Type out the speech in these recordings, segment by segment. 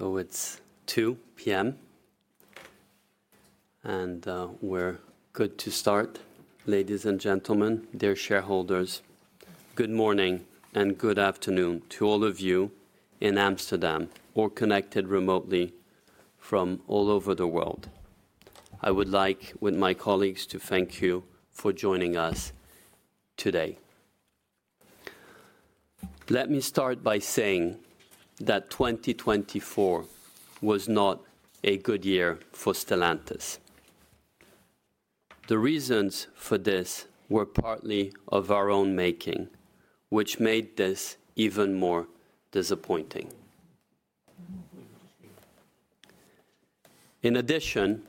It is 2:00 P.M., and we're good to start. Ladies and gentlemen, dear shareholders, good morning and good afternoon to all of you in Amsterdam or connected remotely from all over the world. I would like, with my colleagues, to thank you for joining us today. Let me start by saying that 2024 was not a good year for Stellantis. The reasons for this were partly of our own making, which made this even more disappointing. In addition,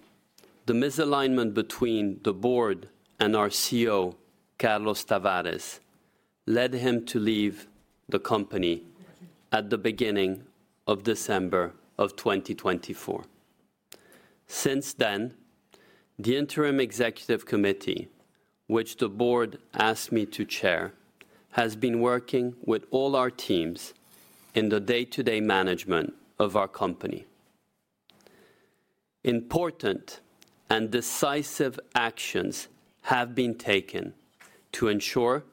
the misalignment between the board and our CEO, Carlos Tavares, led him to leave the company at the beginning of December of 2024. Since then, the Interim Executive Committee, which the board asked me to chair, has been working with all our teams in the day-to-day management of our company. Important and decisive actions have been taken to ensure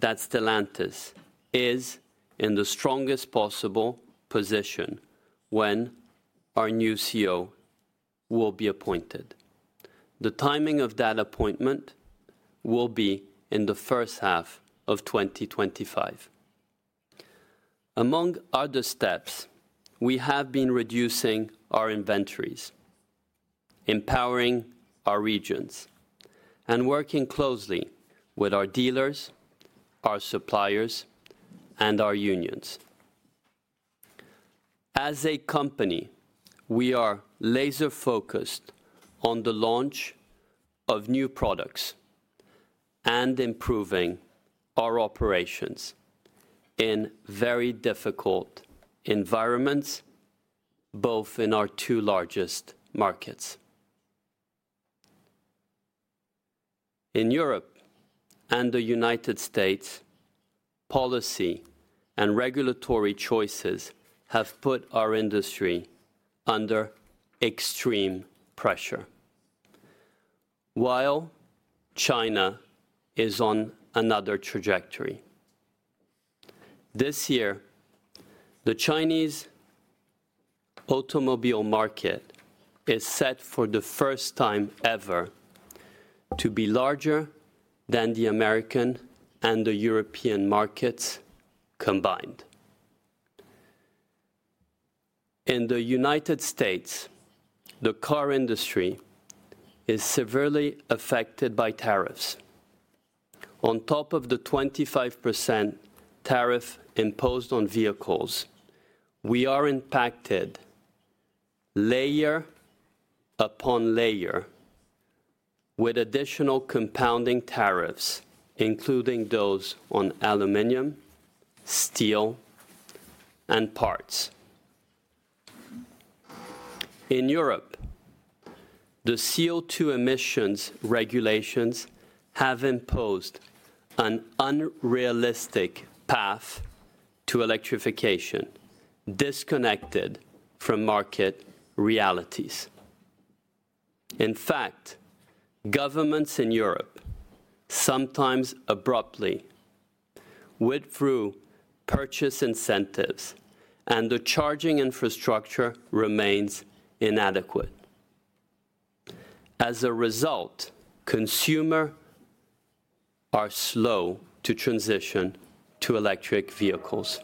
that Stellantis is in the strongest possible position when our new CEO will be appointed. The timing of that appointment will be in the first half of 2025. Among other steps, we have been reducing our inventories, empowering our regions, and working closely with our dealers, our suppliers, and our unions. As a company, we are laser-focused on the launch of new products and improving our operations in very difficult environments, both in our two largest markets. In Europe and the United States, policy and regulatory choices have put our industry under extreme pressure, while China is on another trajectory. This year, the Chinese automobile market is set for the first time ever to be larger than the American and the European markets combined. In the United States, the car industry is severely affected by tariffs. On top of the 25% tariff imposed on vehicles, we are impacted layer upon layer with additional compounding tariffs, including those on aluminum, steel, and parts. In Europe, the CO2 emissions regulations have imposed an unrealistic path to electrification, disconnected from market realities. In fact, governments in Europe, sometimes abruptly, withdrew purchase incentives, and the charging infrastructure remains inadequate. As a result, consumers are slow to transition to electric vehicles.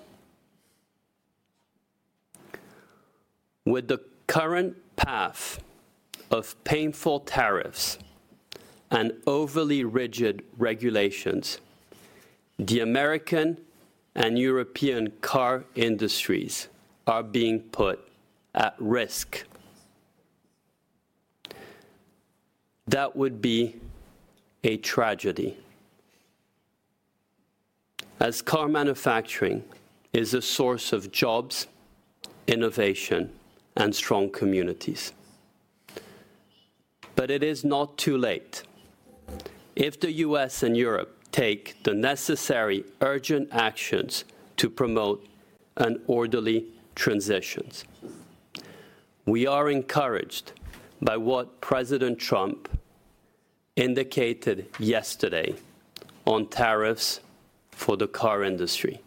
With the current path of painful tariffs and overly rigid regulations, the American and European car industries are being put at risk. That would be a tragedy, as car manufacturing is a source of jobs, innovation, and strong communities. It is not too late if the U.S. and Europe take the necessary urgent actions to promote an orderly transition. We are encouraged by what President Trump indicated yesterday on tariffs for the car industry.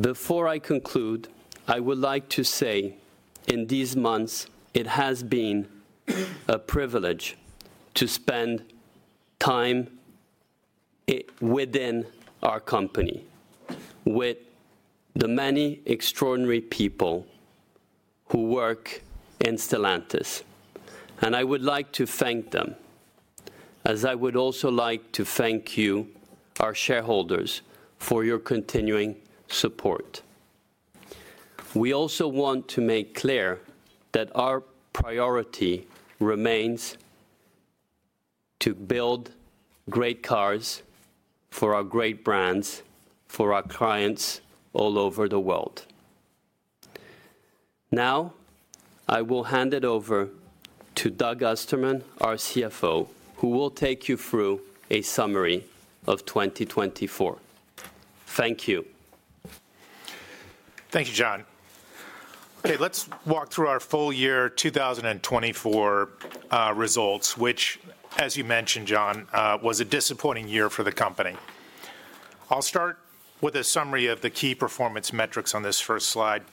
Before I conclude, I would like to say, in these months, it has been a privilege to spend time within our company with the many extraordinary people who work in Stellantis. I would like to thank them, as I would also like to thank you, our shareholders, for your continuing support. We also want to make clear that our priority remains to build great cars for our great brands, for our clients all over the world. Now, I will hand it over to Doug Ostermann, our CFO, who will take you through a summary of 2024. Thank you. Thank you, John. Okay, let's walk through our full year 2024 results, which, as you mentioned, John, was a disappointing year for the company. I'll start with a summary of the key performance metrics on this first slide.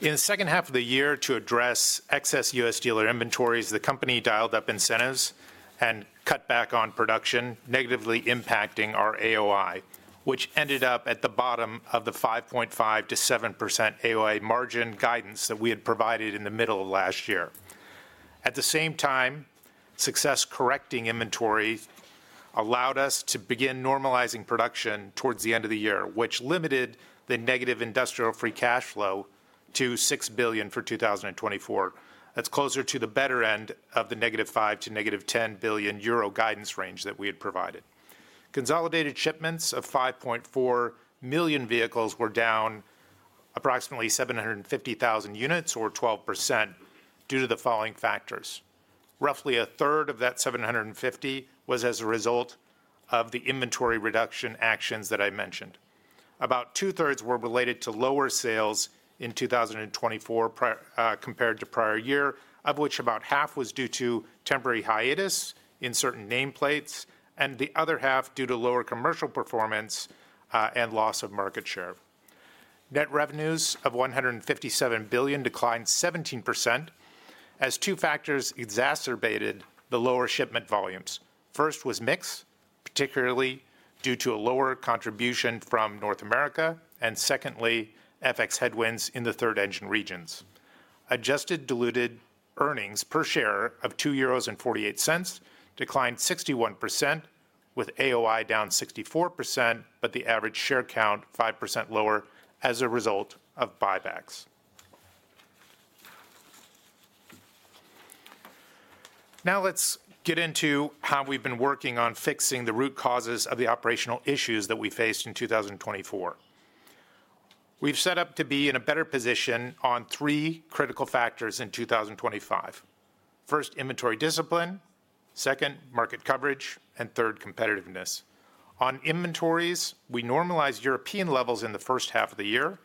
In the second half of the year, to address excess U.S. dealer inventories, the company dialed up incentives and cut back on production, negatively impacting our AOI, which ended up at the bottom of the 5.5%-7% AOI margin guidance that we had provided in the middle of last year. At the same time, success correcting inventory allowed us to begin normalizing production towards the end of the year, which limited the negative industrial free cash flow to 6 billion for 2024. That's closer to the better end of the negative 5 billion-negative 10 billion euro guidance range that we had provided. Consolidated shipments of 5.4 million vehicles were down approximately 750,000 units, or 12%, due to the following factors: roughly a third of that 750 was as a result of the inventory reduction actions that I mentioned. About two-thirds were related to lower sales in 2024 compared to prior year, of which about half was due to temporary hiatus in certain nameplates, and the other half due to lower commercial performance and loss of market share. Net revenues of 157 billion declined 17%, as two factors exacerbated the lower shipment volumes. First was mix, particularly due to a lower contribution from North America, and secondly, FX headwinds in the third engine regions. Adjusted diluted earnings per share of 2.48 euros declined 61%, with AOI down 64%, but the average share count 5% lower as a result of buybacks. Now let's get into how we've been working on fixing the root causes of the operational issues that we faced in 2024. We've set up to be in a better position on three critical factors in 2025: first, inventory discipline; second, market coverage; and third, competitiveness. On inventories, we normalized European levels in the first half of the year,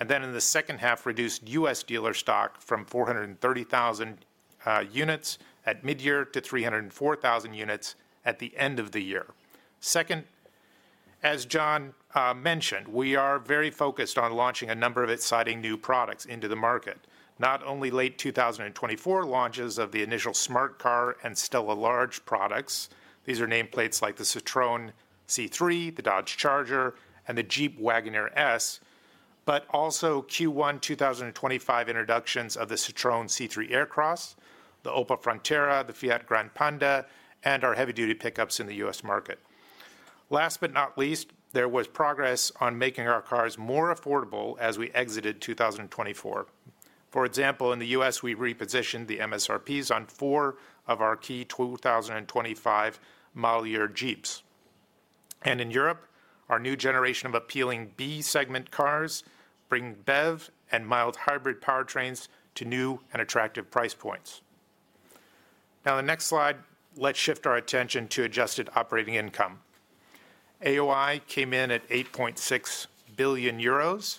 and then in the second half, reduced U.S. dealer stock from 430,000 units at midyear to 304,000 units at the end of the year. Second, as John mentioned, we are very focused on launching a number of exciting new products into the market, not only late 2024 launches of the initial Smart Car and STL Large products. These are nameplates like the Citroën C3, the Dodge Charger, and the Jeep Wagoneer S, but also Q1 2025 introductions of the Citroën C3 Aircross, the Opel Frontera, the Fiat Gran Panda, and our heavy-duty pickups in the U.S. market. Last but not least, there was progress on making our cars more affordable as we exited 2024. For example, in the U.S., we repositioned the MSRPs on four of our key 2025 model year Jeeps. In Europe, our new generation of appealing B-segment cars brings BEV and mild hybrid powertrains to new and attractive price points. Now, the next slide, let's shift our attention to adjusted operating income. AOI came in at 8.6 billion euros.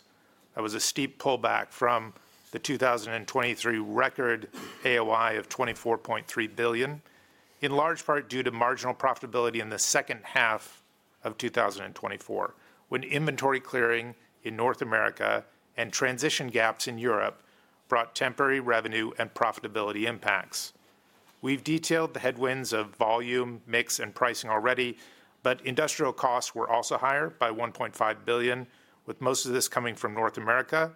That was a steep pullback from the 2023 record AOI of 24.3 billion, in large part due to marginal profitability in the second half of 2024, when inventory clearing in North America and transition gaps in Europe brought temporary revenue and profitability impacts. We've detailed the headwinds of volume, mix, and pricing already, but industrial costs were also higher by 1.5 billion, with most of this coming from North America,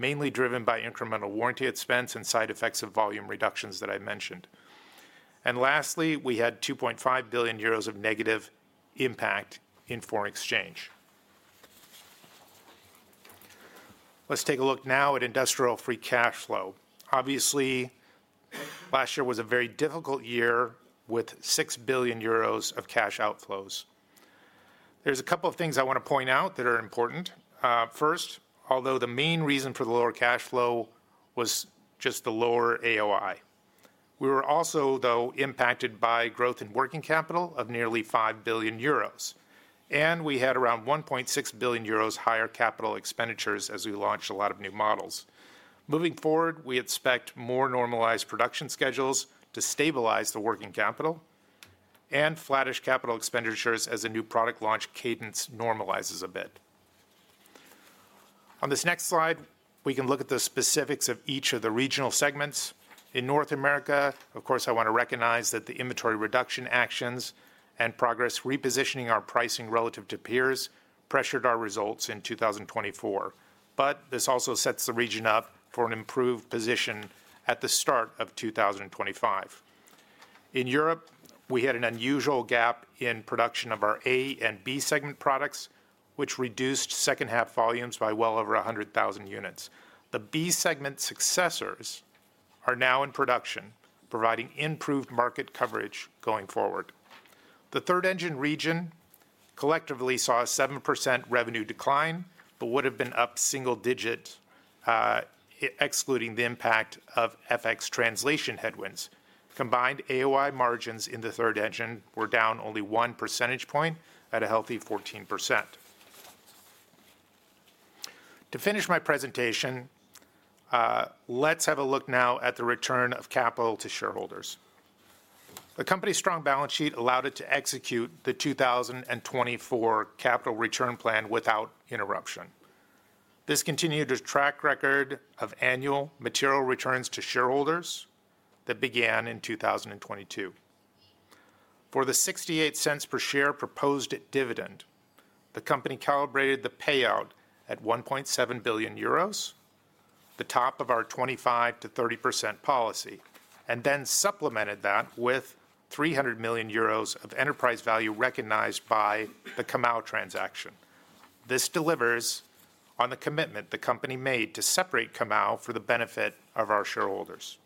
mainly driven by incremental warranty expense and side effects of volume reductions that I mentioned. Lastly, we had 2.5 billion euros of negative impact in foreign exchange. Let's take a look now at industrial free cash flow. Obviously, last year was a very difficult year with 6 billion euros of cash outflows. There's a couple of things I want to point out that are important. First, although the main reason for the lower cash flow was just the lower AOI, we were also, though, impacted by growth in working capital of nearly 5 billion euros, and we had around 1.6 billion euros higher capital expenditures as we launched a lot of new models. Moving forward, we expect more normalized production schedules to stabilize the working capital and flattish capital expenditures as the new product launch cadence normalizes a bit. On this next slide, we can look at the specifics of each of the regional segments. In North America, of course, I want to recognize that the inventory reduction actions and progress repositioning our pricing relative to peers pressured our results in 2024, but this also sets the region up for an improved position at the start of 2025. In Europe, we had an unusual gap in production of our A and B-segment products, which reduced second-half volumes by well over 100,000 units. The B-segment successors are now in production, providing improved market coverage going forward. The third engine region collectively saw a 7% revenue decline, but would have been up single digit, excluding the impact of FX translation headwinds. Combined AOI margins in the third engine were down only one percentage point, at a healthy 14%. To finish my presentation, let's have a look now at the return of capital to shareholders. The company's strong balance sheet allowed it to execute the 2024 capital return plan without interruption. This continued the track record of annual material returns to shareholders that began in 2022. For the $0.68 per share proposed dividend, the company calibrated the payout at 1.7 billion euros, the top of our 25%-30% policy, and then supplemented that with 300 million euros of enterprise value recognized by the Comau transaction. This delivers on the commitment the company made to separate Comau for the benefit of our shareholders.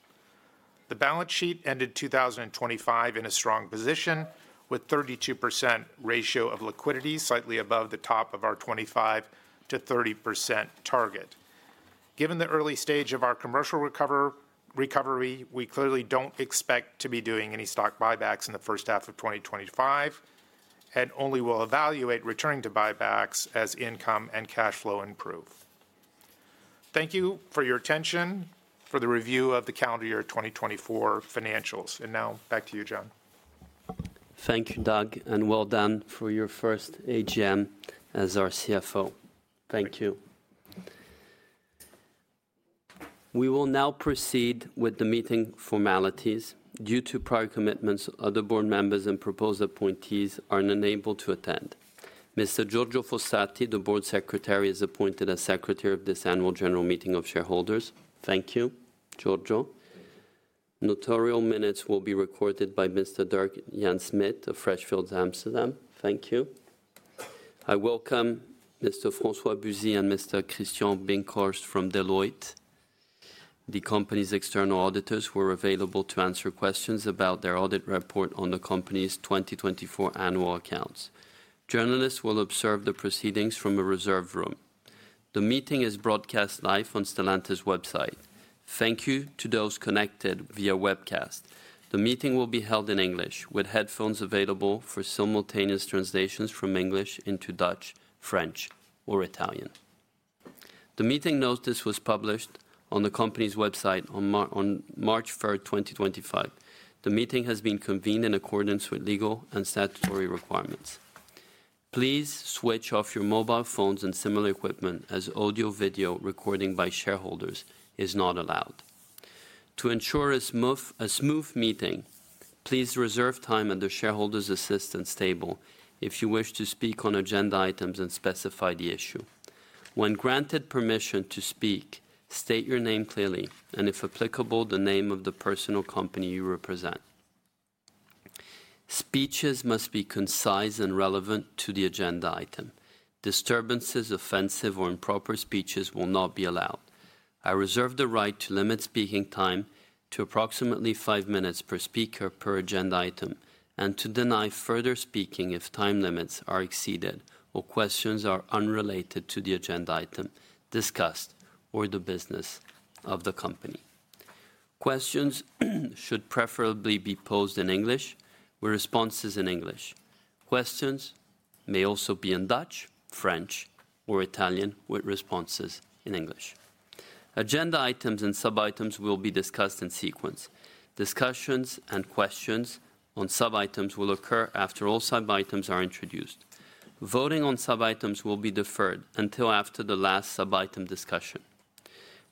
The balance sheet ended 2025 in a strong position, with a 32% ratio of liquidity, slightly above the top of our 25%-30% target. Given the early stage of our commercial recovery, we clearly do not expect to be doing any stock buybacks in the first half of 2025, and only will evaluate returning to buybacks as income and cash flow improve. Thank you for your attention for the review of the calendar year 2024 financials. Now, back to you, John. Thank you, Doug, and well done for your first AGM as our CFO. Thank you. We will now proceed with the meeting formalities. Due to prior commitments, other board members and proposed appointees are unable to attend. Mr. Giorgio Fossati, the board secretary, is appointed as secretary of this annual general meeting of shareholders. Thank you, Giorgio. Notarial minutes will be recorded by Mr. Dirk-Jan Smit of Freshfields, Amsterdam. Thank you. I welcome Mr. François Busi and Mr. Christian Binkhorst from Deloitte. The company's external auditors were available to answer questions about their audit report on the company's 2024 annual accounts. Journalists will observe the proceedings from a reserve room. The meeting is broadcast live on Stellantis' website. Thank you to those connected via webcast. The meeting will be held in English, with headphones available for simultaneous translations from English into Dutch, French, or Italian. The meeting notice was published on the company's website on March 3, 2025. The meeting has been convened in accordance with legal and statutory requirements. Please switch off your mobile phones and similar equipment, as audio-video recording by shareholders is not allowed. To ensure a smooth meeting, please reserve time at the shareholders' assistance table if you wish to speak on agenda items and specify the issue. When granted permission to speak, state your name clearly, and if applicable, the name of the person or company you represent. Speeches must be concise and relevant to the agenda item. Disturbances, offensive, or improper speeches will not be allowed. I reserve the right to limit speaking time to approximately five minutes per speaker per agenda item and to deny further speaking if time limits are exceeded or questions are unrelated to the agenda item discussed or the business of the company. Questions should preferably be posed in English with responses in English. Questions may also be in Dutch, French, or Italian with responses in English. Agenda items and sub-items will be discussed in sequence. Discussions and questions on sub-items will occur after all sub-items are introduced. Voting on sub-items will be deferred until after the last sub-item discussion.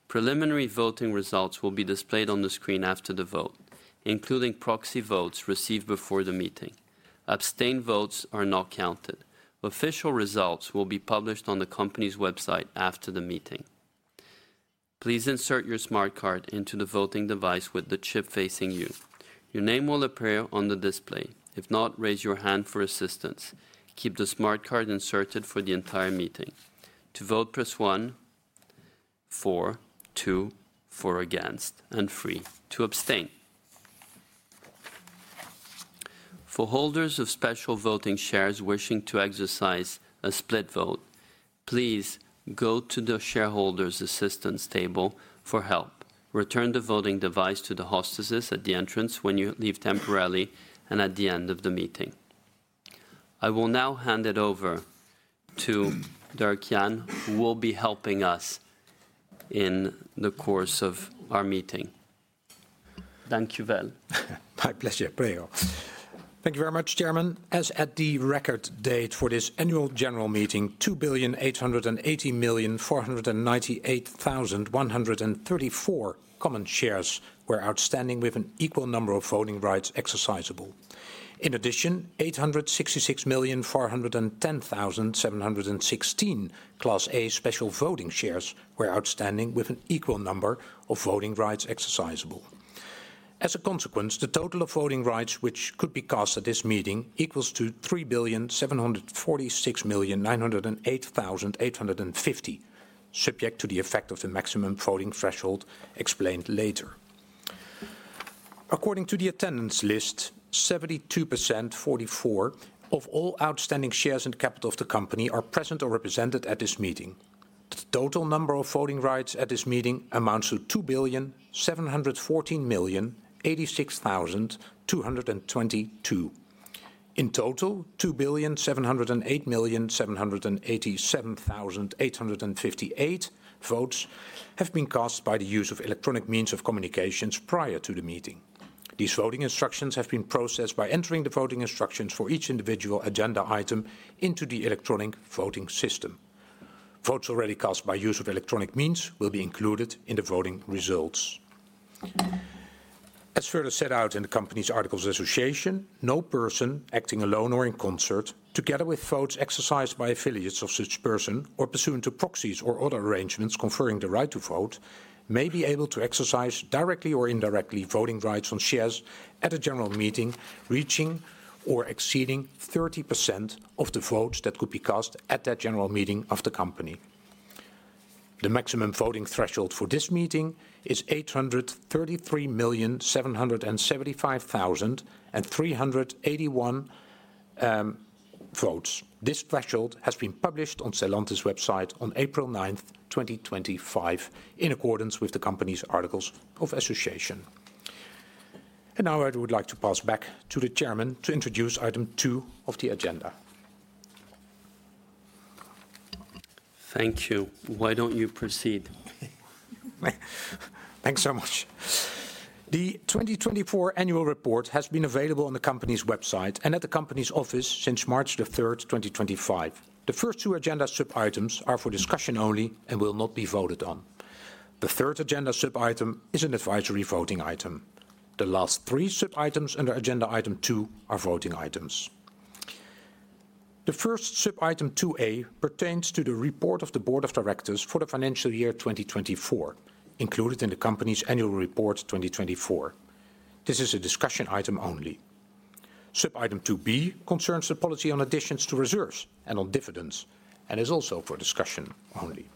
Preliminary voting results will be displayed on the screen after the vote, including proxy votes received before the meeting. Abstain votes are not counted. Official results will be published on the company's website after the meeting. Please insert your SmartCard into the voting device with the chip facing you. Your name will appear on the display. If not, raise your hand for assistance. Keep the SmartCard inserted for the entire meeting. To vote, press 1 for, 2 for against, and 3 to abstain. For holders of special voting shares wishing to exercise a split vote, please go to the shareholders' assistance table for help. Return the voting device to the hostesses at the entrance when you leave temporarily and at the end of the meeting. I will now hand it over to Dirk-Jan Smith, who will be helping us in the course of our meeting. Thank you. My pleasure, Prio. Thank you very much, Chairman. As at the record date for this annual general meeting, 2,880,498,134 common shares were outstanding, with an equal number of voting rights exercisable. In addition, 866,410,716 Class A special voting shares were outstanding, with an equal number of voting rights exercisable. As a consequence, the total of voting rights which could be cast at this meeting equals 3,746,908,850, subject to the effect of the maximum voting threshold explained later. According to the attendance list, 72% of all outstanding shares and capital of the company are present or represented at this meeting. The total number of voting rights at this meeting amounts to 2,714,086,222. In total, 2,708,787,858 votes have been cast by the use of electronic means of communications prior to the meeting. These voting instructions have been processed by entering the voting instructions for each individual agenda item into the electronic voting system. Votes already cast by use of electronic means will be included in the voting results. As further set out in the company's Articles of Association, no person acting alone or in concert, together with votes exercised by affiliates of such person or pursuant to proxies or other arrangements conferring the right to vote, may be able to exercise directly or indirectly voting rights on shares at a general meeting reaching or exceeding 30% of the votes that could be cast at that general meeting of the company. The maximum voting threshold for this meeting is 833,775,381 votes. This threshold has been published on Stellantis' website on April 9, 2025, in accordance with the company's Articles of Association. I would like to pass back to the Chairman to introduce item two of the agenda. Thank you. Why don't you proceed? Thanks so much. The 2024 annual report has been available on the company's website and at the company's office since March 3, 2025. The first two agenda sub-items are for discussion only and will not be voted on. The third agenda sub-item is an advisory voting item. The last three sub-items under agenda item two are voting items. The first sub-item 2A pertains to the report of the board of directors for the financial year 2024, included in the company's annual report 2024. This is a discussion item only. Sub-item 2B concerns the policy on additions to reserves and on dividends and is also for discussion only.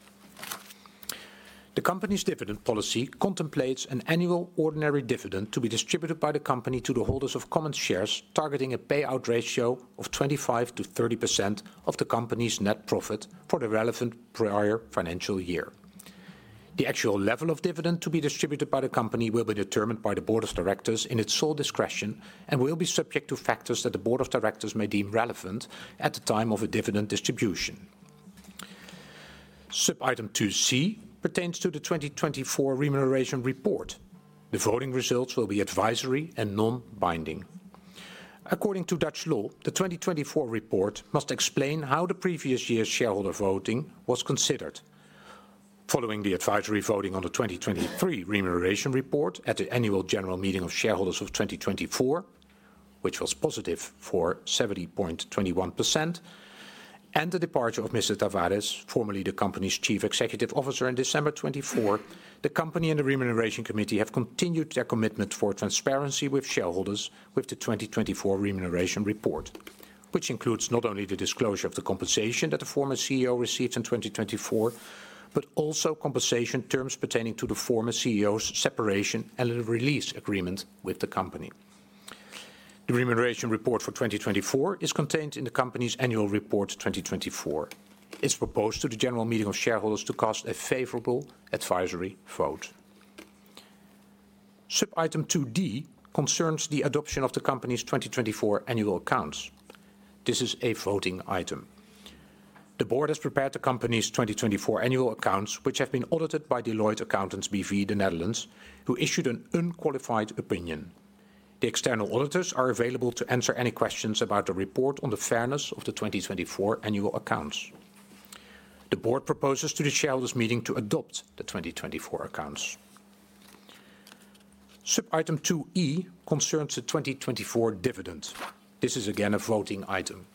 The company's dividend policy contemplates an annual ordinary dividend to be distributed by the company to the holders of common shares, targeting a payout ratio of 25-30% of the company's net profit for the relevant prior financial year. The actual level of dividend to be distributed by the company will be determined by the board of directors in its sole discretion and will be subject to factors that the board of directors may deem relevant at the time of a dividend distribution. Sub-item 2C pertains to the 2024 remuneration report. The voting results will be advisory and non-binding. According to Dutch law, the 2024 report must explain how the previous year's shareholder voting was considered. Following the advisory voting on the 2023 remuneration report at the annual general meeting of shareholders of 2024, which was positive for 70.21%, and the departure of Mr. Tavares, formerly the company's Chief Executive Officer, in December 2024, the company and the remuneration committee have continued their commitment for transparency with shareholders with the 2024 remuneration report, which includes not only the disclosure of the compensation that the former CEO received in 2024, but also compensation terms pertaining to the former CEO's separation and a release agreement with the company. The remuneration report for 2024 is contained in the company's annual report 2024. It's proposed to the general meeting of shareholders to cast a favorable advisory vote. Sub-item 2D concerns the adoption of the company's 2024 annual accounts. This is a voting item. The board has prepared the company's 2024 annual accounts, which have been audited by Deloitte Accountants B.V., the Netherlands, who issued an unqualified opinion. The external auditors are available to answer any questions about the report on the fairness of the 2024 annual accounts. The board proposes to the shareholders' meeting to adopt the 2024 accounts. Sub-item 2E concerns the 2024 dividend. This is again a voting item.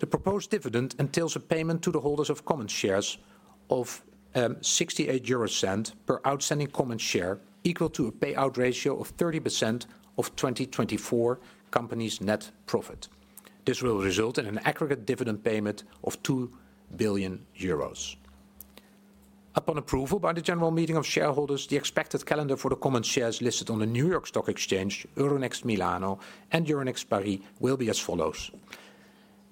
The proposed dividend entails a payment to the holders of common shares of 0.68 per outstanding common share, equal to a payout ratio of 30% of 2024 company's net profit. This will result in an aggregate dividend payment of 2 billion euros. Upon approval by the general meeting of shareholders, the expected calendar for the common shares listed on the New York Stock Exchange, Euronext Milan, and Euronext Paris will be as follows: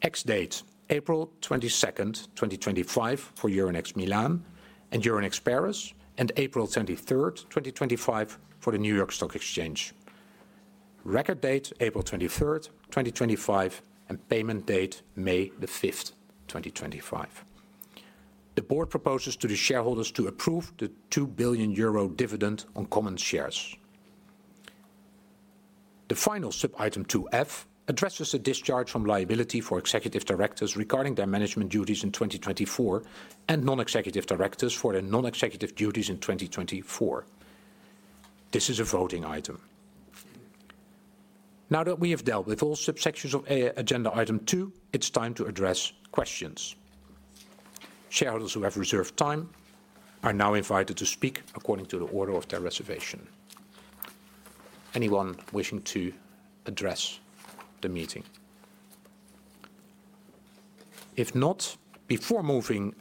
X date, April 22, 2025, for Euronext Milan and Euronext Paris, and April 23, 2025, for the New York Stock Exchange. Record date, April 23, 2025, and payment date, May 5, 2025. The board proposes to the shareholders to approve the 2 billion euro dividend on common shares. The final sub-item 2F addresses the discharge from liability for executive directors regarding their management duties in 2024 and non-executive directors for their non-executive duties in 2024. This is a voting item. Now that we have dealt with all subsections of agenda item two, it's time to address questions. Shareholders who have reserved time are now invited to speak according to the order of their reservation. Anyone wishing to address the meeting? If not, before moving,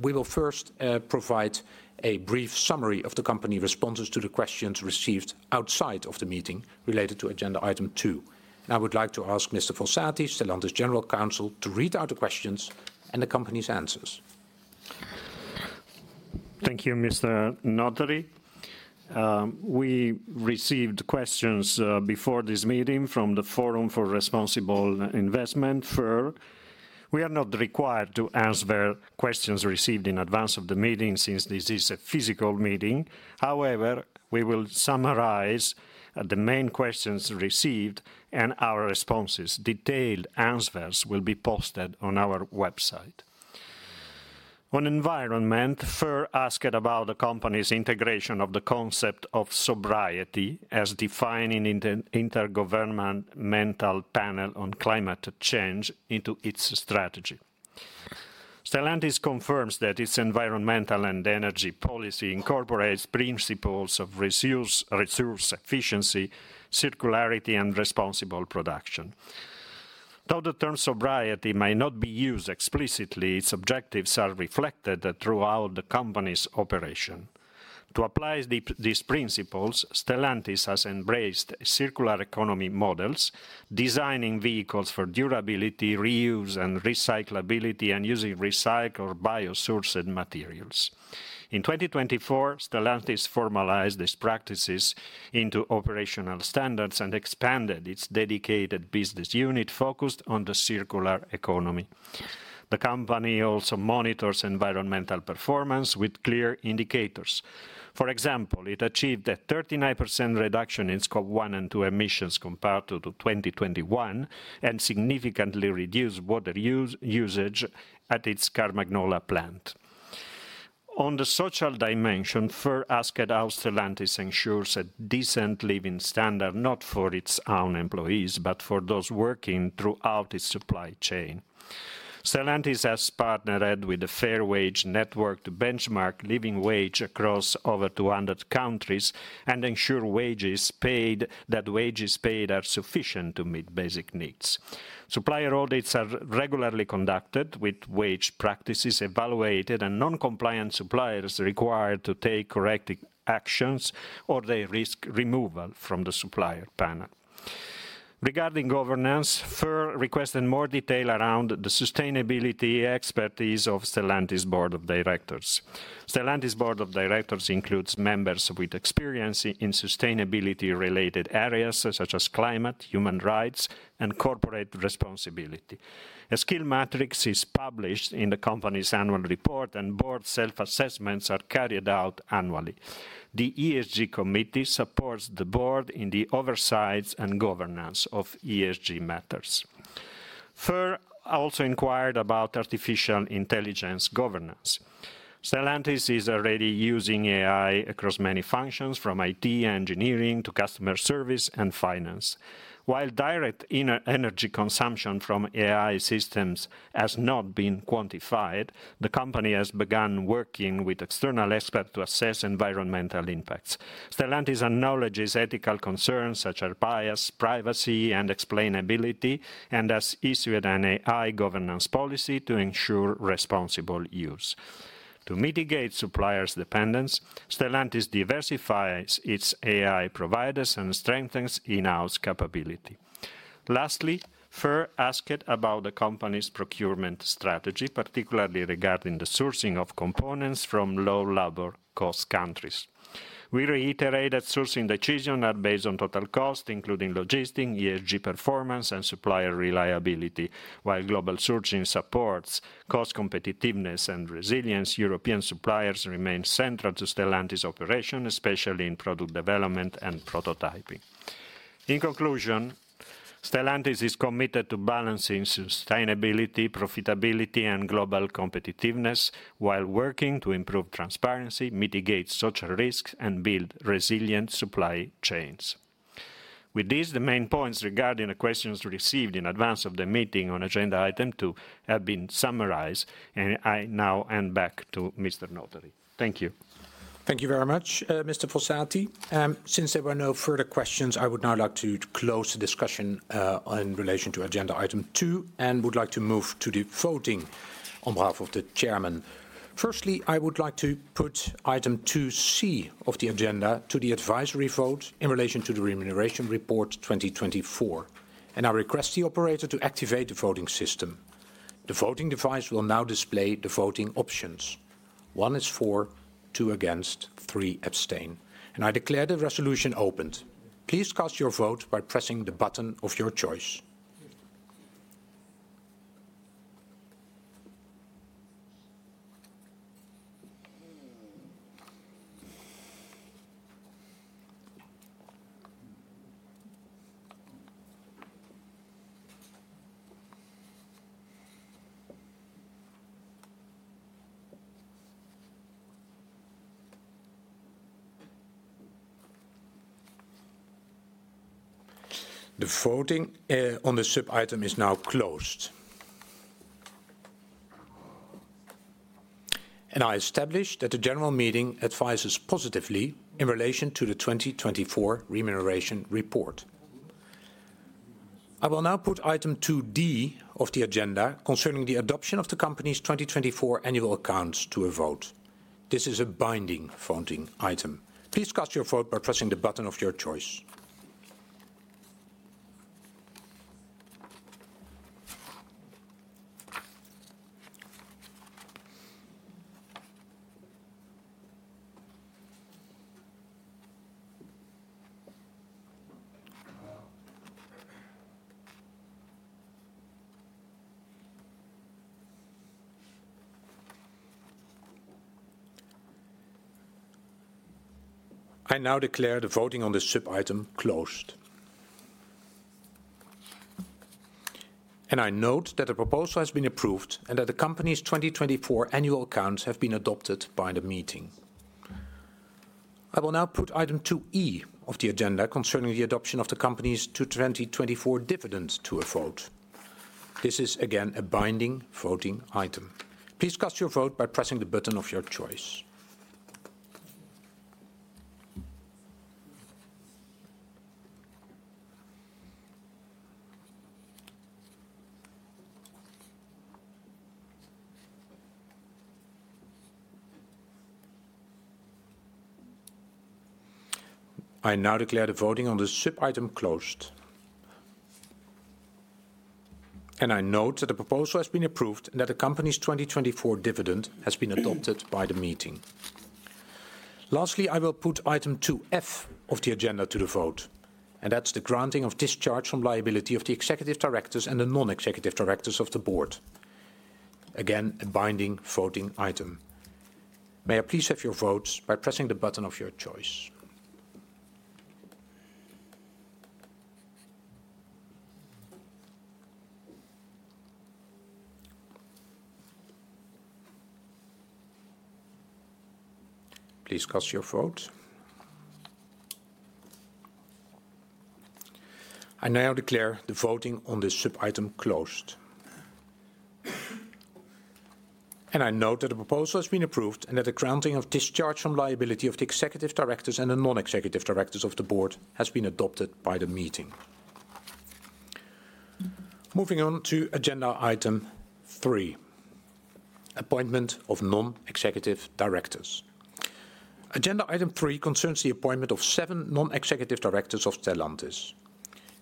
we will first provide a brief summary of the company's responses to the questions received outside of the meeting related to agenda item two. I would like to ask Mr. Fossati, Stellantis General Counsel, to read out the questions and the company's answers. Thank you, Mr. Naderi. We received questions before this meeting from the Forum for Responsible Investment firm. We are not required to answer questions received in advance of the meeting since this is a physical meeting. However, we will summarize the main questions received and our responses. Detailed answers will be posted on our website. One environment firm asked about the company's integration of the concept of sobriety as defined in the Intergovernmental Panel on Climate Change into its strategy. Stellantis confirms that its environmental and energy policy incorporates principles of resource efficiency, circularity, and responsible production. Though the term sobriety may not be used explicitly, its objectives are reflected throughout the company's operation. To apply these principles, Stellantis has embraced circular economy models, designing vehicles for durability, reuse, and recyclability, and using recycled or biosourced materials. In 2024, Stellantis formalized its practices into operational standards and expanded its dedicated business unit focused on the circular economy. The company also monitors environmental performance with clear indicators. For example, it achieved a 39% reduction in scope one and two emissions compared to 2021 and significantly reduced water usage at its Carmagnola plant. On the social dimension, FIR asked how Stellantis ensures a decent living standard not for its own employees, but for those working throughout its supply chain. Stellantis has partnered with a Fair Wage Network to benchmark living wage across over 200 countries and ensure wages paid are sufficient to meet basic needs. Supplier audits are regularly conducted, with wage practices evaluated and non-compliant suppliers required to take corrective actions or their risk removal from the supplier panel. Regarding governance, FIR requested more detail around the sustainability expertise of Stellantis' board of directors. Stellantis' board of directors includes members with experience in sustainability-related areas such as climate, human rights, and corporate responsibility. A skill matrix is published in the company's annual report, and board self-assessments are carried out annually. The ESG committee supports the board in the oversight and governance of ESG matters. Fir also inquired about artificial intelligence governance. Stellantis is already using AI across many functions, from IT engineering to customer service and finance. While direct energy consumption from AI systems has not been quantified, the company has begun working with external experts to assess environmental impacts. Stellantis acknowledges ethical concerns such as bias, privacy, and explainability, and has issued an AI governance policy to ensure responsible use. To mitigate suppliers' dependence, Stellantis diversifies its AI providers and strengthens in-house capability. Lastly, Fir asked about the company's procurement strategy, particularly regarding the sourcing of components from low-labor cost countries. We reiterate that sourcing decisions are based on total cost, including logistic, ESG performance, and supplier reliability. While global sourcing supports cost competitiveness and resilience, European suppliers remain central to Stellantis' operation, especially in product development and prototyping. In conclusion, Stellantis is committed to balancing sustainability, profitability, and global competitiveness while working to improve transparency, mitigate social risks, and build resilient supply chains. With this, the main points regarding the questions received in advance of the meeting on agenda item two have been summarized, and I now hand back to Mr. Naderi. Thank you. Thank you very much, Mr. Fossati. Since there were no further questions, I would now like to close the discussion in relation to agenda item two and would like to move to the voting on behalf of the Chairman. Firstly, I would like to put item 2C of the agenda to the advisory vote in relation to the remuneration report 2024, and I request the operator to activate the voting system. The voting device will now display the voting options. One is for, two against, three abstain. I declare the resolution opened. Please cast your vote by pressing the button of your choice. The voting on the sub-item is now closed. I establish that the general meeting advises positively in relation to the 2024 remuneration report. I will now put item 2D of the agenda concerning the adoption of the company's 2024 annual accounts to a vote. This is a binding voting item. Please cast your vote by pressing the button of your choice. I now declare the voting on the sub-item closed. I note that the proposal has been approved and that the company's 2024 annual accounts have been adopted by the meeting. I will now put item 2E of the agenda concerning the adoption of the company's 2024 dividend to a vote. This is again a binding voting item. Please cast your vote by pressing the button of your choice. I now declare the voting on the sub-item closed. I note that the proposal has been approved and that the company's 2024 dividend has been adopted by the meeting. Lastly, I will put item 2F of the agenda to the vote, and that's the granting of discharge from liability of the executive directors and the non-executive directors of the board. Again, a binding voting item. May I please have your votes by pressing the button of your choice? Please cast your vote. I now declare the voting on the sub-item closed. I note that the proposal has been approved and that the granting of discharge from liability of the executive directors and the non-executive directors of the board has been adopted by the meeting. Moving on to agenda item three, appointment of non-executive directors. Agenda item three concerns the appointment of seven non-executive directors of Stellantis.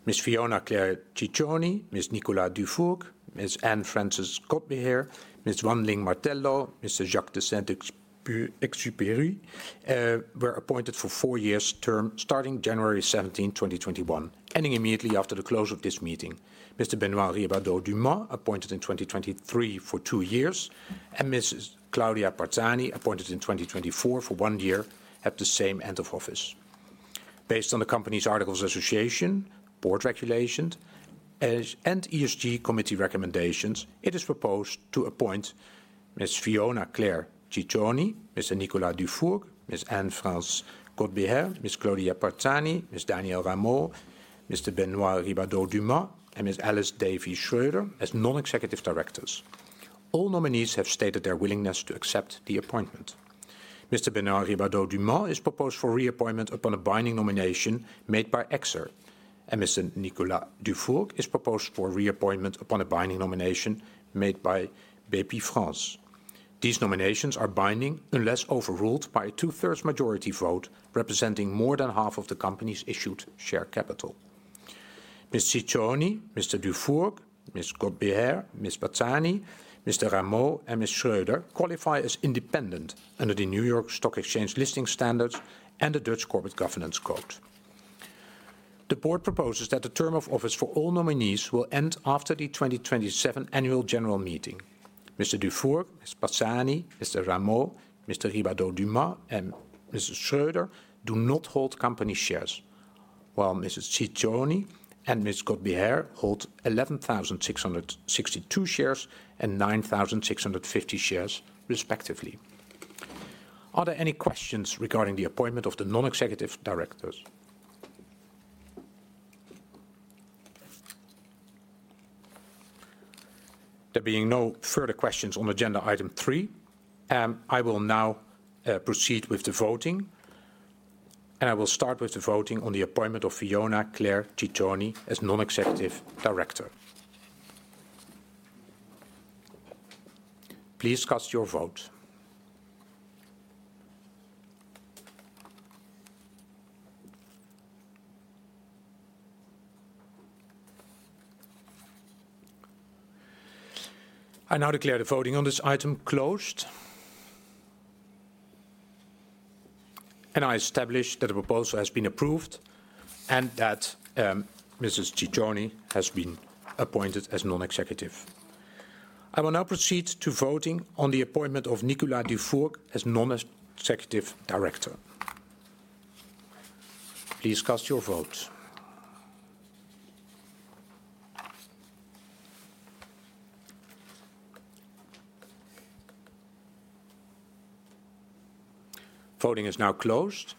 Ms. Fiona Clare Cicconi, Mr. Nicolas Dufourcq, Ms. Anne Frances Godbehere, Ms. Wan Ling Martello, Mr. Jacques de Saint-Exupéry were appointed for four years' term starting January 17, 2021, ending immediately after the close of this meeting. Mr. Benoît Ribadeau-Dumas, appointed in 2023 for two years, and Ms. Claudia Parzani, appointed in 2024 for one year, have the same end of office. Based on the company's articles of association, board regulations, and ESG committee recommendations, it is proposed to appoint Ms. Fiona Clare Cicconi, Mr. Nicolas Dufourcq, Ms. Anne Frances Godbehere, Ms. Claudia Parzani, Ms. Danielle Rameau, Mr. Benoît Ribadeau-Dumas, and Ms. Alice Davie Schroeder as non-executive directors. All nominees have stated their willingness to accept the appointment. Mr. Benoît Ribadeau-Dumas is proposed for reappointment upon a binding nomination made by Exor, and Mr. Nicolas Dufourcq is proposed for reappointment upon a binding nomination made by Bpifrance. These nominations are binding unless overruled by a two-thirds majority vote representing more than half of the company's issued share capital. Ms. Ciccioni, Mr. Dufourcq, Ms. Colbert, Ms. Partzani, Ms. Rameau, and Ms. Schroeder qualify as independent under the New York Stock Exchange listing standards and the Dutch corporate governance code. The board proposes that the term of office for all nominees will end after the 2027 annual general meeting. Mr. Dufourcq, Ms. Partzani, Mr. Rameau, Mr. Ribadeau-Dumont, and Ms. Schroeder do not hold company shares, while Ms. Ciccioni and Ms. Colbert hold 11,662 shares and 9,650 shares, respectively. Are there any questions regarding the appointment of the non-executive directors? There being no further questions on agenda item three, I will now proceed with the voting, and I will start with the voting on the appointment of Fiona Claire Ciccioni as non-executive director. Please cast your vote. I now declare the voting on this item closed. I establish that the proposal has been approved and that Ms. Ciccioni has been appointed as non-executive. I will now proceed to voting on the appointment of Nicolas Dufourcq as non-executive director. Please cast your vote. Voting is now closed.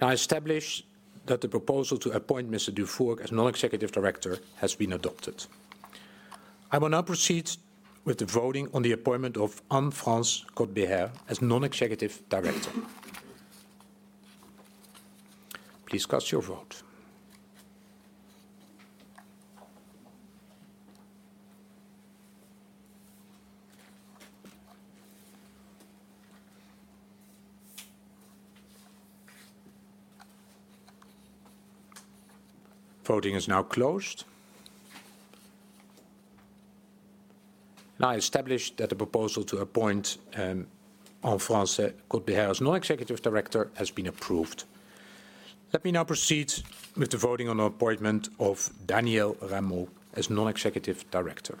I establish that the proposal to appoint Mr. Nicolas Dufourcq as non-executive director has been adopted. I will now proceed with the voting on the appointment of Anne Frances Colbert as non-executive director. Please cast your vote. Voting is now closed. I establish that the proposal to appoint Anne Frances Colbert as non-executive director has been approved. Let me now proceed with the voting on the appointment of Danielle Rameau as non-executive director.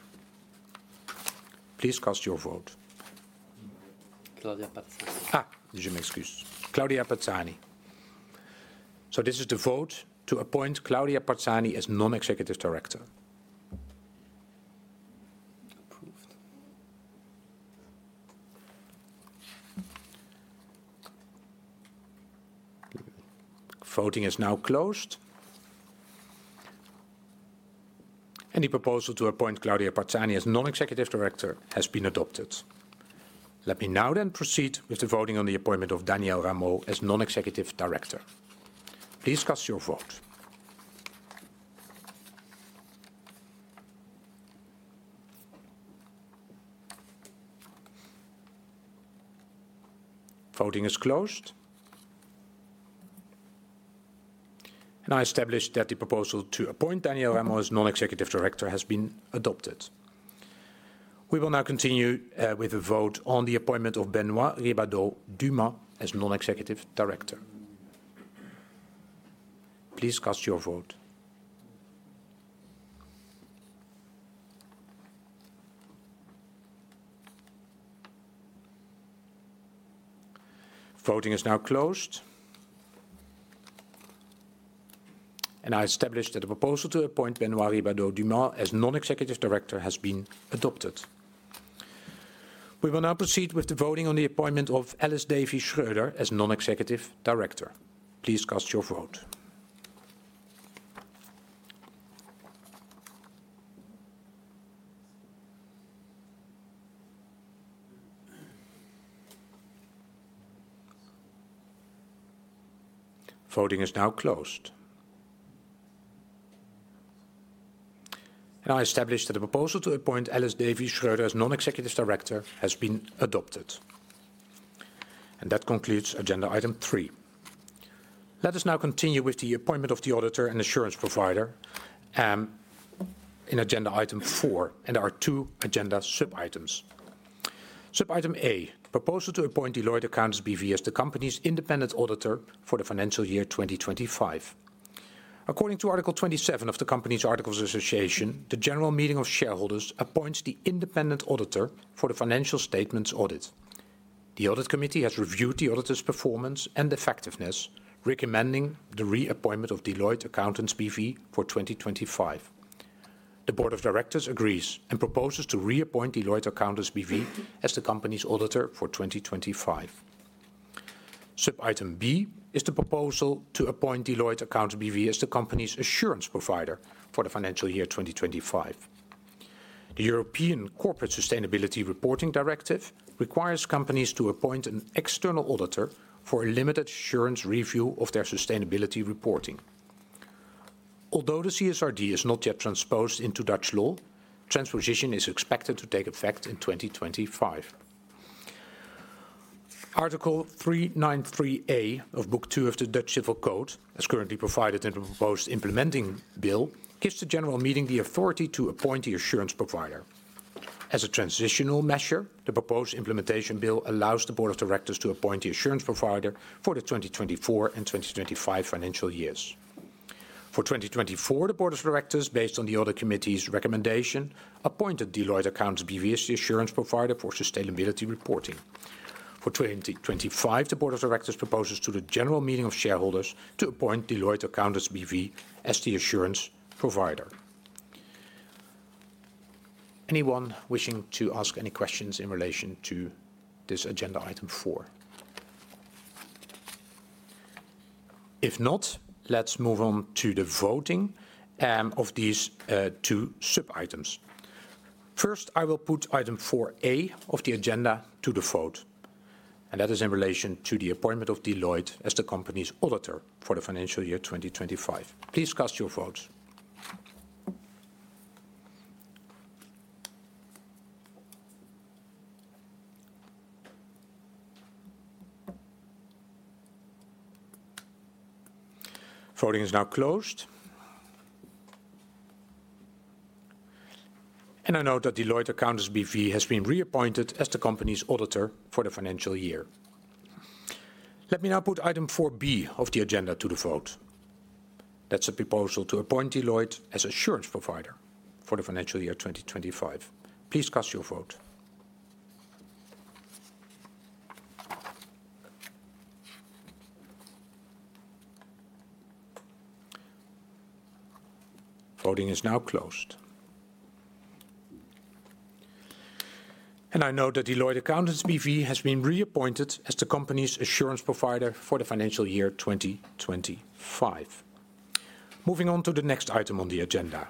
Please cast your vote. Claudia Partzani. Je m'excuse. Claudia Partzani. This is the vote to appoint Claudia Partzani as non-executive director. Approved. Voting is now closed. The proposal to appoint Claudia Partzani as non-executive director has been adopted. Let me now then proceed with the voting on the appointment of Danielle Rameau as non-executive director. Please cast your vote. Voting is closed. I establish that the proposal to appoint Danielle Rameau as non-executive director has been adopted. We will now continue with the vote on the appointment of Benoît Ribadeau-Dumont as non-executive director. Please cast your vote. Voting is now closed. I establish that the proposal to appoint Benoît Ribadeau-Dumont as non-executive director has been adopted. We will now proceed with the voting on the appointment of Alice Davie Schroeder as non-executive director. Please cast your vote. Voting is now closed. I establish that the proposal to appoint Alice Davie Schroeder as non-executive director has been adopted. That concludes agenda item three. Let us now continue with the appointment of the auditor and assurance provider in agenda item four, and there are two agenda sub-items. Sub-item A, proposal to appoint Deloitte Accountants B.V. as the company's independent auditor for the financial year 2025. According to Article 27 of the company's articles of association, the general meeting of shareholders appoints the independent auditor for the financial statements audit. The audit committee has reviewed the auditor's performance and effectiveness, recommending the reappointment of Deloitte Accountants B.V. for 2025. The board of directors agrees and proposes to reappoint Deloitte Accountants B.V. as the company's auditor for 2025. Sub-item B is the proposal to appoint Deloitte Accountants B.V. as the company's assurance provider for the financial year 2025. The European Corporate Sustainability Reporting Directive requires companies to appoint an external auditor for a limited assurance review of their sustainability reporting. Although the CSRD is not yet transposed into Dutch law, transposition is expected to take effect in 2025. Article 393A of Book II of the Dutch Civil Code, as currently provided in the proposed implementing bill, gives the general meeting the authority to appoint the assurance provider. As a transitional measure, the proposed implementation bill allows the board of directors to appoint the assurance provider for the 2024 and 2025 financial years. For 2024, the board of directors, based on the audit committee's recommendation, appointed Deloitte Accountants B.V. as the assurance provider for sustainability reporting. For 2025, the board of directors proposes to the general meeting of shareholders to appoint Deloitte Accountants B.V. as the assurance provider. Anyone wishing to ask any questions in relation to this agenda item four? If not, let's move on to the voting of these two sub-items. First, I will put item 4A of the agenda to the vote. That is in relation to the appointment of Deloitte as the company's auditor for the financial year 2025. Please cast your vote. Voting is now closed. I note that Deloitte Accountants B.V. has been reappointed as the company's auditor for the financial year. Let me now put item 4B of the agenda to the vote. That's a proposal to appoint Deloitte as assurance provider for the financial year 2025. Please cast your vote. Voting is now closed. I note that Deloitte Accountants B.V. has been reappointed as the company's assurance provider for the financial year 2025. Moving on to the next item on the agenda,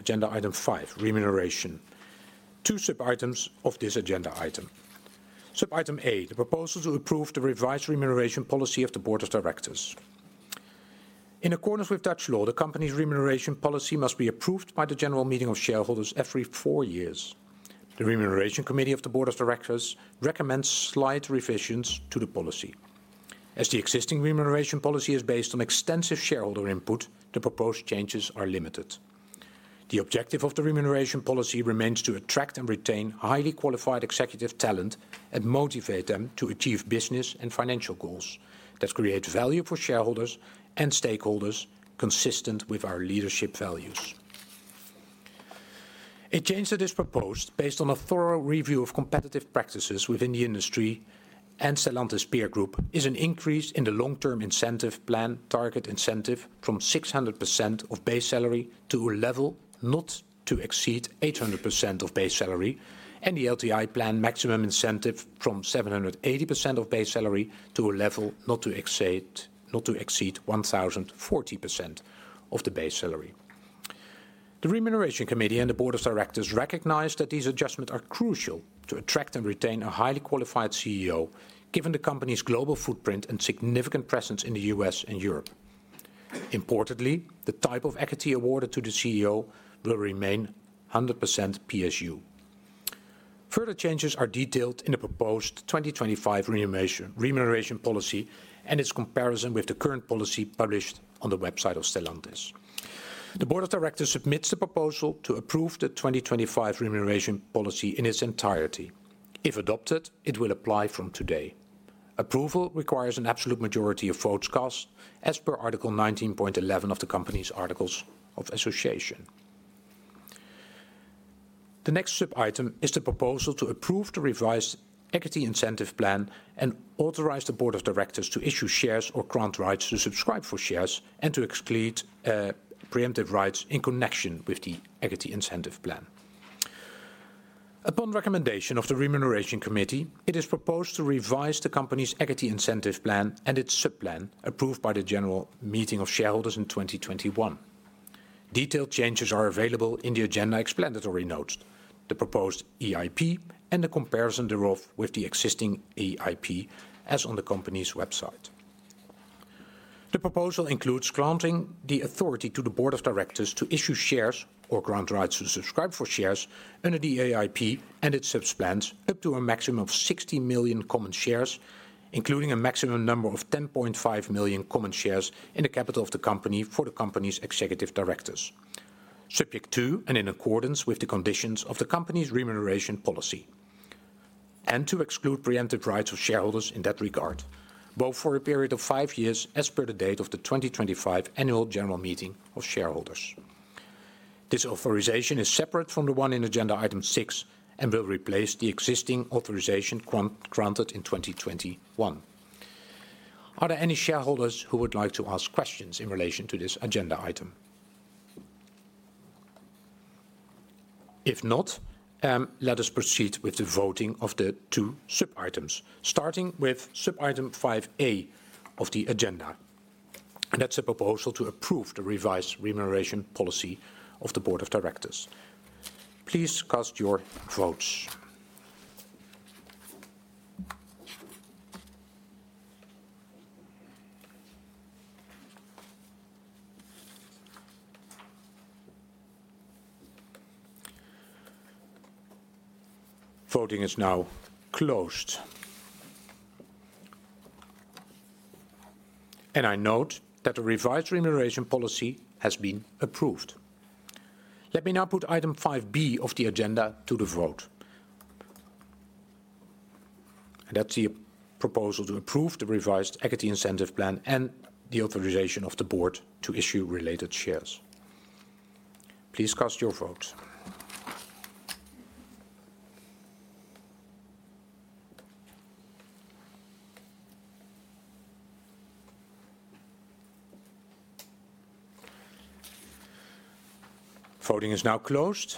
agenda item five, remuneration. Two sub-items of this agenda item. Sub-item A, the proposal to approve the revised remuneration policy of the board of directors. In accordance with Dutch law, the company's remuneration policy must be approved by the general meeting of shareholders every four years. The remuneration committee of the board of directors recommends slight revisions to the policy. As the existing remuneration policy is based on extensive shareholder input, the proposed changes are limited. The objective of the remuneration policy remains to attract and retain highly qualified executive talent and motivate them to achieve business and financial goals that create value for shareholders and stakeholders consistent with our leadership values. A change that is proposed based on a thorough review of competitive practices within the industry and Stellantis Peer Group is an increase in the long-term incentive plan target incentive from 600% of base salary to a level not to exceed 800% of base salary, and the LTI plan maximum incentive from 780% of base salary to a level not to exceed 1,040% of the base salary. The remuneration committee and the board of directors recognize that these adjustments are crucial to attract and retain a highly qualified CEO, given the company's global footprint and significant presence in the U.S. and Europe. Importantly, the type of equity awarded to the CEO will remain 100% PSU. Further changes are detailed in the proposed 2025 remuneration policy and its comparison with the current policy published on the website of Stellantis. The board of directors submits the proposal to approve the 2025 remuneration policy in its entirety. If adopted, it will apply from today. Approval requires an absolute majority of votes cast as per Article 19.11 of the company's articles of association. The next sub-item is the proposal to approve the revised equity incentive plan and authorize the board of directors to issue shares or grant rights to subscribe for shares and to exclude preemptive rights in connection with the equity incentive plan. Upon recommendation of the remuneration committee, it is proposed to revise the company's equity incentive plan and its sub-plan approved by the general meeting of shareholders in 2021. Detailed changes are available in the agenda explanatory notes, the proposed EIP, and the comparison thereof with the existing EIP as on the company's website. The proposal includes granting the authority to the board of directors to issue shares or grant rights to subscribe for shares under the EIP and its sub-plans up to a maximum of 60 million common shares, including a maximum number of 10.5 million common shares in the capital of the company for the company's executive directors, subject to and in accordance with the conditions of the company's remuneration policy, and to exclude preemptive rights of shareholders in that regard, both for a period of five years as per the date of the 2025 annual general meeting of shareholders. This authorization is separate from the one in agenda item six and will replace the existing authorization granted in 2021. Are there any shareholders who would like to ask questions in relation to this agenda item? If not, let us proceed with the voting of the two sub-items, starting with sub-item 5A of the agenda. That is a proposal to approve the revised remuneration policy of the board of directors. Please cast your votes. Voting is now closed. I note that the revised remuneration policy has been approved. Let me now put item 5B of the agenda to the vote. That is a proposal to approve the revised equity incentive plan and the authorization of the board to issue related shares. Please cast your vote. Voting is now closed.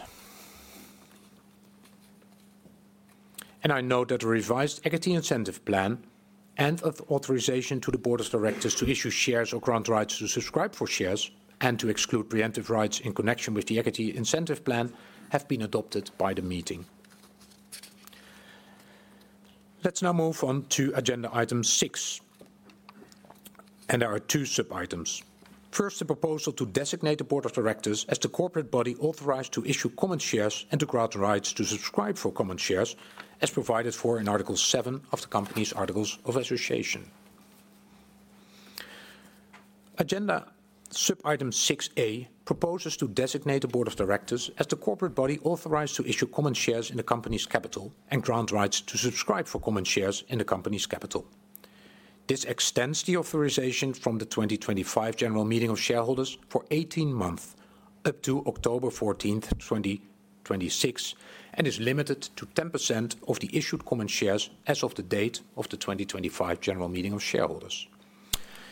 I note that the revised equity incentive plan and authorization to the board of directors to issue shares or grant rights to subscribe for shares and to exclude preemptive rights in connection with the equity incentive plan have been adopted by the meeting. Let's now move on to agenda item six. There are two sub-items. First, the proposal to designate the board of directors as the corporate body authorized to issue common shares and to grant rights to subscribe for common shares as provided for in Article 7 of the company's articles of association. Agenda sub-item 6A proposes to designate the board of directors as the corporate body authorized to issue common shares in the company's capital and grant rights to subscribe for common shares in the company's capital. This extends the authorization from the 2025 general meeting of shareholders for 18 months up to October 14, 2026, and is limited to 10% of the issued common shares as of the date of the 2025 general meeting of shareholders.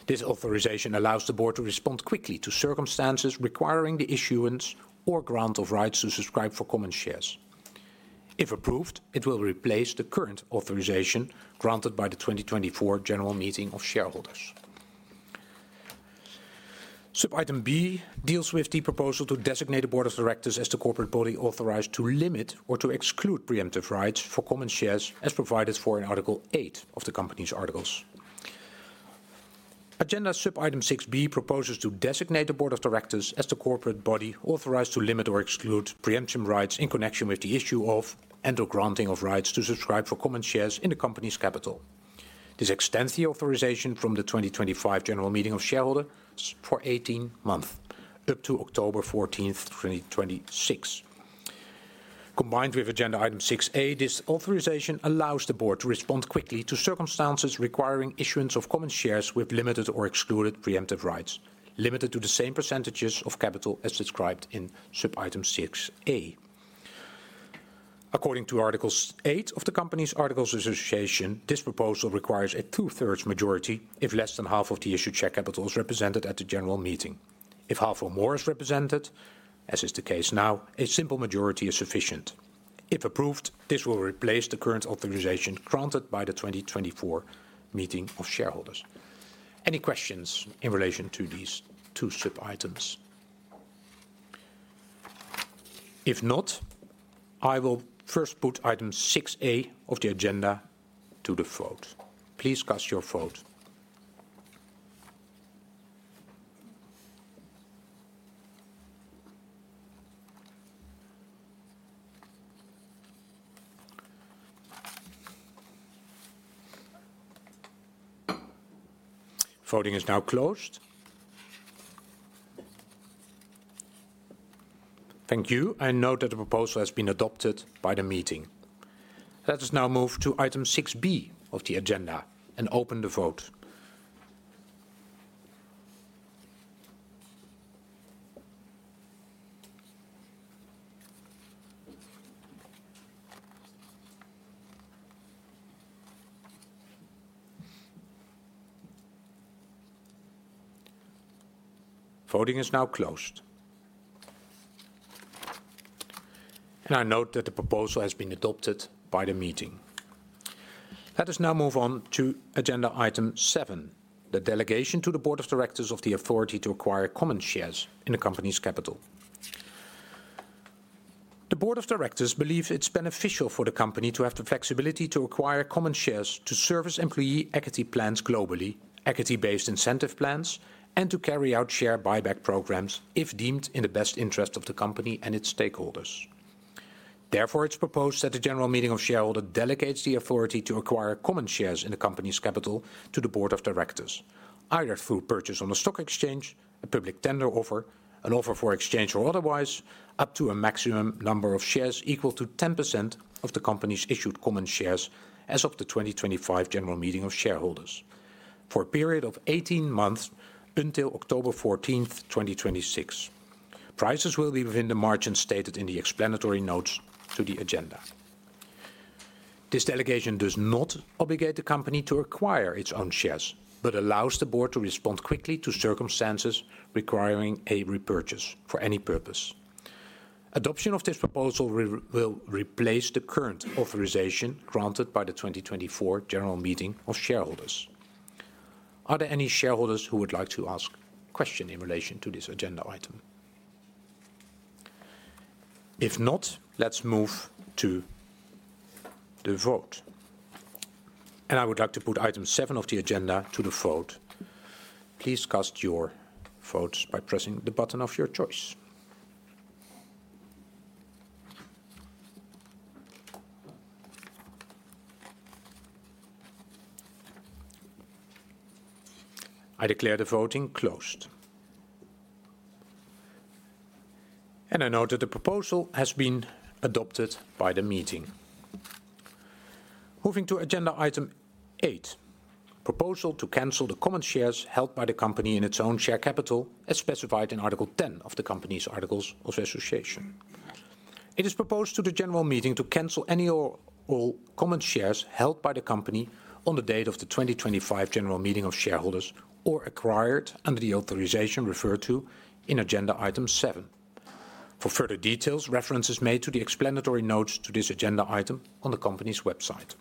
This authorization allows the board to respond quickly to circumstances requiring the issuance or grant of rights to subscribe for common shares. If approved, it will replace the current authorization granted by the 2024 general meeting of shareholders. Sub-item B deals with the proposal to designate the board of directors as the corporate body authorized to limit or to exclude preemptive rights for common shares as provided for in Article 8 of the company's articles. Agenda sub-item 6B proposes to designate the board of directors as the corporate body authorized to limit or exclude preemptive rights in connection with the issue of and/or granting of rights to subscribe for common shares in the company's capital. This extends the authorization from the 2025 general meeting of shareholders for 18 months up to October 14, 2026. Combined with agenda item 6A, this authorization allows the board to respond quickly to circumstances requiring issuance of common shares with limited or excluded preemptive rights, limited to the same percentages of capital as described in sub-item 6A. According to Article 8 of the company's articles of association, this proposal requires a two-thirds majority if less than half of the issued share capital is represented at the general meeting. If half or more is represented, as is the case now, a simple majority is sufficient. If approved, this will replace the current authorization granted by the 2024 meeting of shareholders. Any questions in relation to these two sub-items? If not, I will first put item 6A of the agenda to the vote. Please cast your vote. Voting is now closed. Thank you. I note that the proposal has been adopted by the meeting. Let us now move to item 6B of the agenda and open the vote. Voting is now closed. I note that the proposal has been adopted by the meeting. Let us now move on to agenda item 7, the delegation to the board of directors of the authority to acquire common shares in the company's capital. The board of directors believes it's beneficial for the company to have the flexibility to acquire common shares to service employee equity plans globally, equity-based incentive plans, and to carry out share buyback programs if deemed in the best interest of the company and its stakeholders. Therefore, it's proposed that the general meeting of shareholders delegates the authority to acquire common shares in the company's capital to the board of directors, either through purchase on the stock exchange, a public tender offer, an offer for exchange or otherwise, up to a maximum number of shares equal to 10% of the company's issued common shares as of the 2025 general meeting of shareholders for a period of 18 months until October 14, 2026. Prices will be within the margin stated in the explanatory notes to the agenda. This delegation does not obligate the company to acquire its own shares, but allows the board to respond quickly to circumstances requiring a repurchase for any purpose. Adoption of this proposal will replace the current authorization granted by the 2024 general meeting of shareholders. Are there any shareholders who would like to ask a question in relation to this agenda item? If not, let's move to the vote. I would like to put item 7 of the agenda to the vote. Please cast your votes by pressing the button of your choice. I declare the voting closed. I note that the proposal has been adopted by the meeting. Moving to agenda item 8, proposal to cancel the common shares held by the company in its own share capital as specified in Article 10 of the company's articles of association. It is proposed to the general meeting to cancel any or all common shares held by the company on the date of the 2025 general meeting of shareholders or acquired under the authorization referred to in agenda item 7. For further details, reference is made to the explanatory notes to this agenda item on the company's website.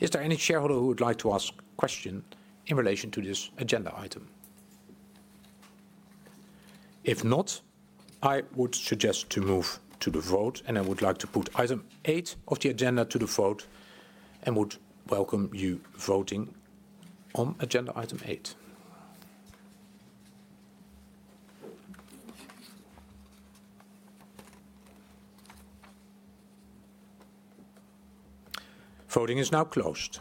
Is there any shareholder who would like to ask a question in relation to this agenda item? If not, I would suggest to move to the vote, and I would like to put item 8 of the agenda to the vote and would welcome you voting on agenda item 8. Voting is now closed.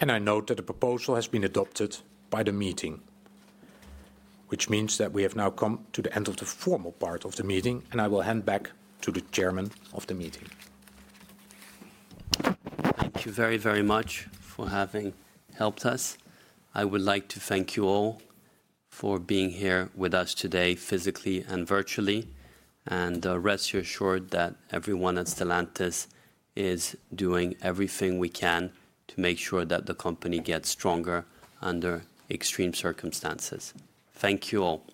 I note that the proposal has been adopted by the meeting, which means that we have now come to the end of the formal part of the meeting, and I will hand back to the Chairman of the meeting. Thank you very, very much for having helped us. I would like to thank you all for being here with us today physically and virtually, and rest assured that everyone at Stellantis is doing everything we can to make sure that the company gets stronger under extreme circumstances. Thank you all.